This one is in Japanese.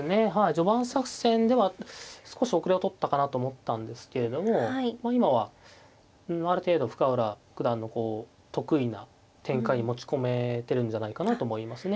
序盤作戦では少し後れを取ったかなと思ったんですけれども今はある程度深浦九段のこう得意な展開に持ち込めてるんじゃないかなと思いますね。